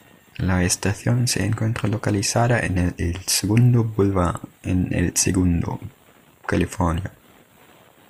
La estación se encuentra localizada en El Segundo Boulevard en El Segundo, California.